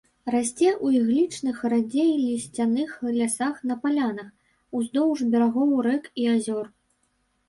Расце ў іглічных, радзей лісцяных лясах на палянах, уздоўж берагоў рэк і азёр.